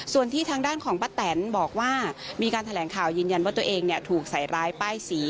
ส่วนที่ทางด้านของป้าแตนบอกว่ามีการแถลงข่าวยืนยันว่าตัวเองถูกใส่ร้ายป้ายสี